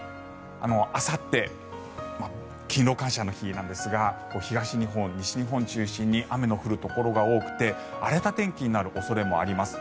あさって勤労感謝の日なんですが東日本、西日本を中心に雨の降るところが多くて荒れた天気になる恐れもあります。